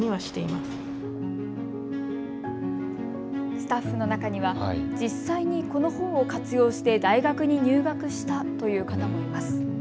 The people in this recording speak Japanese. スタッフの中には実際にこの本を活用して大学に入学したという方もいます。